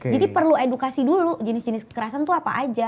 jadi perlu edukasi dulu jenis jenis kekerasan itu apa aja